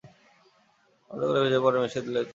আলাদা করে ভেঁজে পরে মিশিয়ে দিলেই তো হলো।